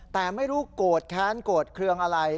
แต่ไม่รู้โกรธแค้นโกรธเครื่องอะไร